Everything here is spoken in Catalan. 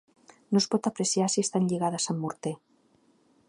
No es pot apreciar si estan lligades amb morter.